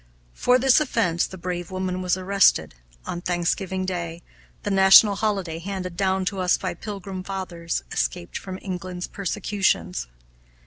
For this offense the brave woman was arrested, on Thanksgiving Day, the national holiday handed down to us by Pilgrim Fathers escaped from England's persecutions.